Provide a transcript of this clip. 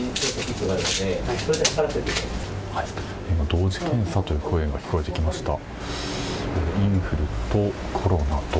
同時検査という声が聞こえてきました。